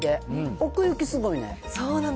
奥行きすごいねん。